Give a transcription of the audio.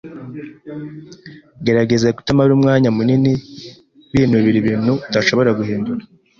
Gerageza kutamara umwanya munini binubira ibintu udashobora guhindura.